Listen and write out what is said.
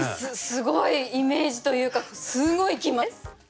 すごいイメージというかすごい来ます。